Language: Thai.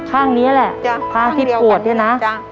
จ้ะข้างเดียวกันนี้ข้างที่ปวดเนี่ยนะ